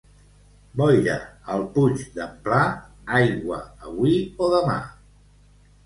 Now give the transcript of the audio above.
Boira al puig d'en Pla, aigua avui o demà.